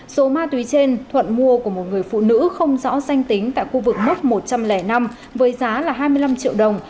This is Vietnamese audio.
số ma túy trên thuận mua của một người phụ nữ không rõ danh tính tại khu vực mốc một trăm linh năm với giá là hai mươi năm triệu đồng